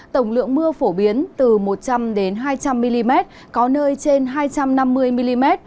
tổng lượng mưa phổ biến từ một trăm linh hai trăm linh mm có nơi trên hai trăm năm mươi mm